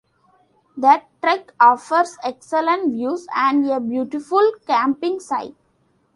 The trek offers excellent views and a beautiful camping site.